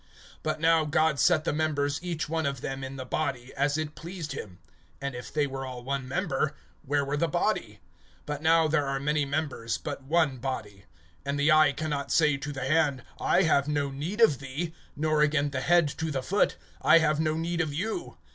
(18)But now, God set the members each one of them in the body, as it pleased him. (19)And if they were all one member, where were the body? (20)But now there are many members, but one body. (21)And the eye can not say to the hand, I have no need of thee; nor again the head to the feet, I have no need of you.